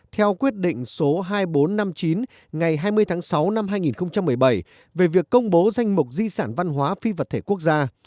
theo quyết định số hai nghìn bốn trăm năm mươi chín ngày hai mươi tháng sáu năm hai nghìn một mươi bảy về việc công bố danh mục di sản văn hóa phi vật thể quốc gia